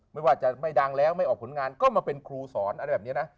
ไม่ว่าจะไม่ดังแล้วไม่ออกผลงานก็มาเป็นครูสอนอะไรแบบนี้นะ